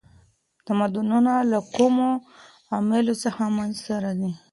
تمدنونه له کومو عواملو څخه منځ ته راځي؟